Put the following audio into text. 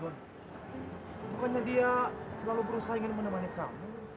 pokoknya dia selalu berusaha ingin menemani kamu